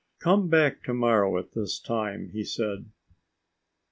"Come back to morrow at this time," he said.